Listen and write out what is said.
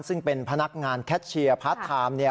ซึ่งเป็นพนักงานแคชเชียร์พาร์ทไทม์